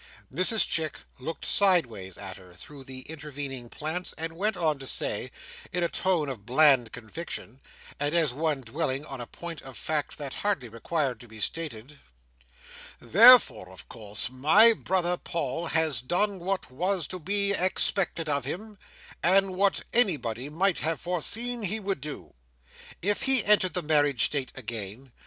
Mrs Chick looked sideways at her, through the intervening plants, and went on to say, in a tone of bland conviction, and as one dwelling on a point of fact that hardly required to be stated: "Therefore, of course my brother Paul has done what was to be expected of him, and what anybody might have foreseen he would do, if he entered the marriage state again.